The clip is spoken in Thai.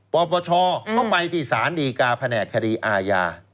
ปปชก็ไปที่ศาลดีกาแผนกคดีอาญา